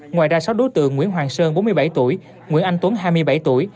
ngoài ra sáu đối tượng nguyễn hoàng sơn bốn mươi bảy tuổi nguyễn anh tuấn hai mươi bảy tuổi